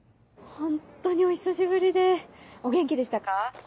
ホントにお久しぶりでお元気でしたか？